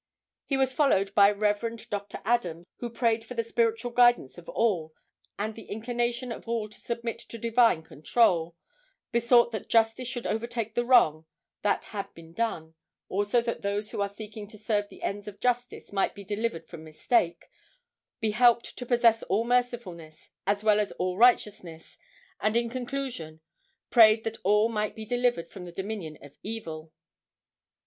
He was followed by Rev. Dr. Adams, who prayed for the spiritual guidance of all and the inclination of all to submit to divine control, besought that justice should overtake the wrong that had been done, also that those who are seeking to serve the ends of justice might be delivered from mistake, be helped to possess all mercifulness, as well as all righteousness, and in conclusion prayed that all might be delivered from the dominion of evil.